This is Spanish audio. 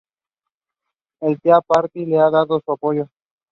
El Tea Party le ha dado su apoyo.